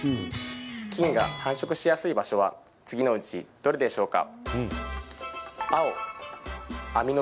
菌が繁殖しやすい場所は次のうちどれでしょうか？